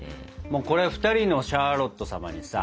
もうこれ２人のシャーロット様にさ。